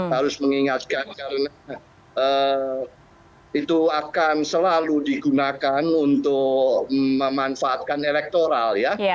harus mengingatkan karena itu akan selalu digunakan untuk memanfaatkan elektoral ya